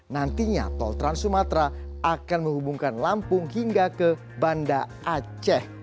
nantinya tol trans sumatra akan menghubungkan lampung hingga ke banda aceh